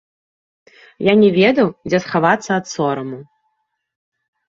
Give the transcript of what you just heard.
Я не ведаў, дзе схавацца ад сораму.